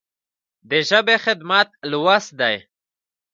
د ژبې خدمت لوست دی.